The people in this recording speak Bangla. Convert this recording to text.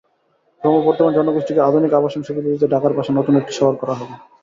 ক্রমবর্ধমান জনগোষ্ঠীকে আধুনিক আবাসন-সুবিধা দিতে ঢাকার পাশে নতুন একটি শহর করা হবে।